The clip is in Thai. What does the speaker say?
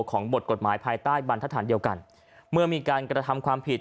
บทกฎหมายภายใต้บรรทฐานเดียวกันเมื่อมีการกระทำความผิด